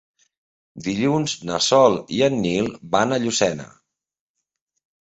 Dilluns na Sol i en Nil van a Llucena.